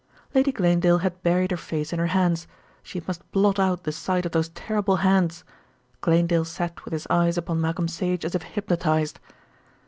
Lady Glanedale had buried her face in her hands. She must blot out the sight of those terrible hands! Glanedale sat with his eyes upon Malcolm Sage as if hypnotised.